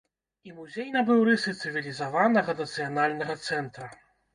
І музей набыў рысы цывілізаванага нацыянальнага цэнтра.